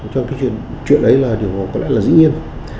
cho cái chuyện đấy là điều có lẽ là dĩ nhiên